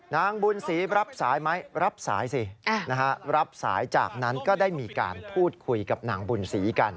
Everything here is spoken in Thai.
นางบุญศรีรับสายไหมรับสายสิรับสายจากนั้นก็ได้มีการพูดคุยกับนางบุญศรีกัน